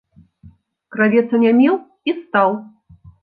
Кравец анямеў і стаў.